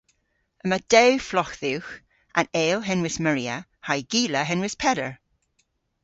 Yma dew flogh dhywgh - an eyl henwys Maria ha'y gila henwys Peder.